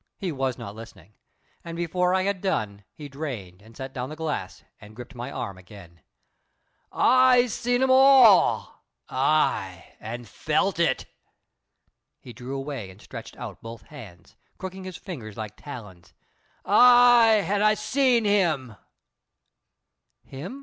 He was not listening, and before I had done he drained and set down the glass and gripped my arm again. "I seen all that ay, an' felt it!" He drew away and stretched out both hands, crooking his fingers like talons. "Ay, an' I seen him!" "Him?"